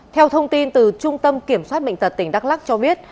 theo thông tin từ trung tâm kiểm soát bệnh tật tỉnh đắk lắc cho biết